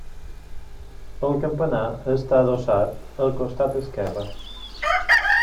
El campanar està adossat al costat esquerre.